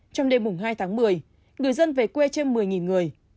trong đêm hai tháng một mươi người dân về quê trên một mươi người